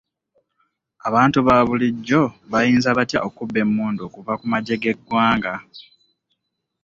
Abantu ba bulijjo bayinza batya okubba emmundu okuva ku magye g'eggwanga?